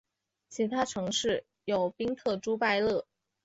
其他城市有宾特朱拜勒。